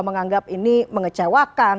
menganggap ini mengecewakan